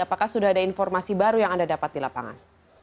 apakah sudah ada informasi baru yang anda dapat di lapangan